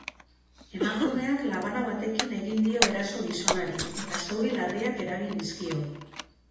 Emakumeak labana batekin egin dio eraso gizonari, eta zauri larriak eragin dizkio.